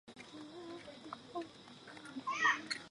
又派元行钦杀死刘仁恭的其他儿子们。